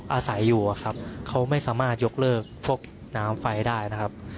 อาศัยอยู่ครับเขาไม่สามารถยกเลิกพวกน้ำไฟได้นะครับ